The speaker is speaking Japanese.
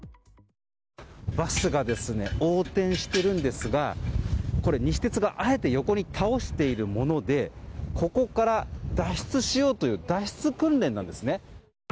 バスが横転しているんですがこれは西鉄が、あえて横に倒しているものでここから脱出しようという脱出訓練なんです。